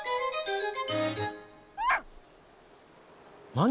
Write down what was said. なに？